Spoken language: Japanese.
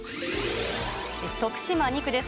徳島２区です。